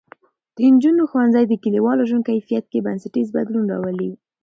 د نجونو ښوونځی د کلیوالو ژوند کیفیت کې بنسټیز بدلون راولي.